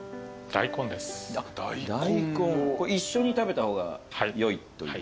大根一緒に食べた方がよいという。